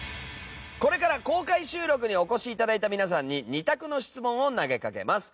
これから公開収録にお越し頂いた皆さんに２択の質問を投げかけます。